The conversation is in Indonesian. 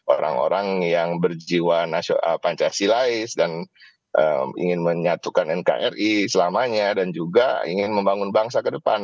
orang orang yang berjiwa pancasilais dan ingin menyatukan nkri selamanya dan juga ingin membangun bangsa ke depan